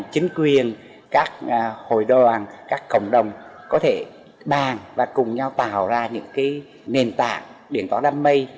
chính quyền các hội đoàn các cộng đồng có thể bàn và cùng nhau tạo ra những nền tảng điện toán đám mây